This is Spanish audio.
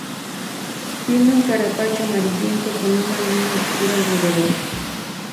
Tiene un carapacho amarillento, con una línea obscura alrededor.